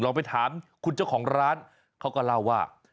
ไปถามคุณเจ้าของร้านเขาก็เล่าว่า